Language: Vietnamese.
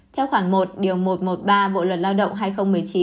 theo khoảng một điều một trăm một mươi ba bộ luật lao động hai nghìn một mươi chín